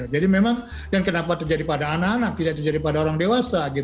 jadi memang dan kenapa terjadi pada anak anak tidak terjadi pada orang dewasa